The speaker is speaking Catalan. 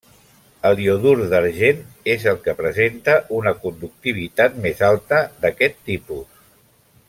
El iodur d'argent és el que presenta una conductivitat més alta d'aquest tipus.